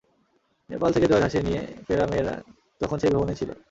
নেপাল থেকে জয়ের হাসি নিয়ে ফেরা মেয়েরা তখন সেই ভবনেই ছিল।